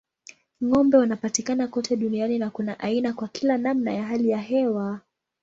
Ng'ombe wanapatikana kote duniani na kuna aina kwa kila namna ya hali ya hewa.